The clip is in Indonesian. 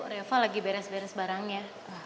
reva lagi beres beres barangnya